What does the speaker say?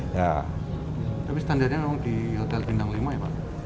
tapi standarnya memang di hotel bintang lima ya pak